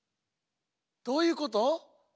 どういうこと？